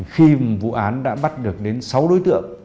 khi vụ án đã bắt được đến sáu đối tượng